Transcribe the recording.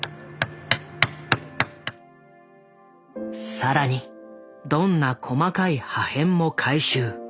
更にどんな細かい破片も回収。